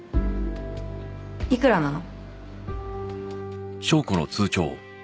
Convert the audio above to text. いくらなの？